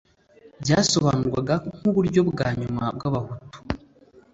byasobanurwaga nk uburyo bwa nyuma bw Abahutu